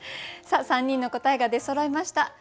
さあ３人の答えが出そろいました。